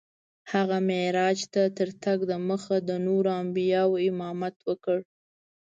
هغه معراج ته تر تګ دمخه د نورو انبیاوو امامت وکړ.